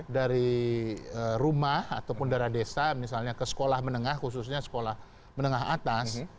dari rumah ataupun darah desa misalnya ke sekolah menengah khususnya sekolah menengah atas